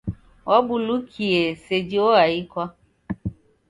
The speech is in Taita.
Wabulukie, seji oaikwa!